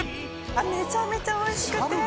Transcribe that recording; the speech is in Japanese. めちゃめちゃ美味しくて。